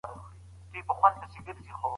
غوسه هم د ژړا لامل کېدای شي.